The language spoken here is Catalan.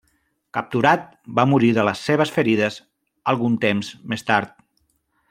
Capturat, va morir de les seves ferides algun temps més tard.